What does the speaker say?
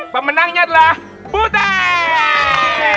pemenangnya adalah butet